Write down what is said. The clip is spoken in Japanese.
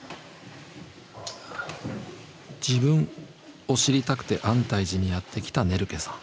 「自分」を知りたくて安泰寺にやって来たネルケさん。